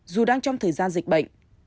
dù đang trong thời gian dịch bệnh